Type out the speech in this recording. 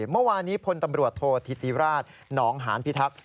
เมื่อวานี้พลตำรวจโทษธิติราชหนองหานพิทักษ์